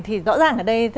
thì rõ ràng ở đây